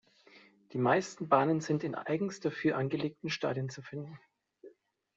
Die meisten Bahnen sind in eigens dafür angelegten Stadien zu finden.